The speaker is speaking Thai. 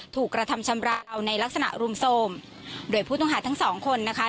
ถูกกระทำชำราวเอาในลักษณะรุมโทรมโดยผู้ต้องหาทั้งสองคนนะคะ